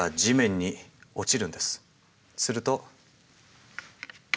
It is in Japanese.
すると。